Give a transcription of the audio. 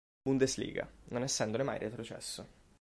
Bundesliga, non essendone mai retrocesso.